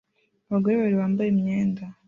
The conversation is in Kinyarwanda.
Abagore babiri bambaye imyenda